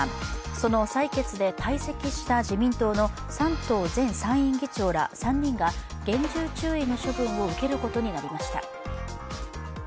その採決で退席した自民党の山東前参院議長ら３人が厳重注意の処分を受けることになりました。